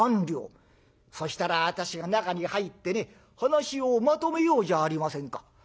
そしたら私が中に入ってね話をまとめようじゃありませんか」。